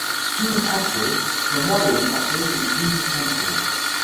Soon after, her modelling offers increased tenfold.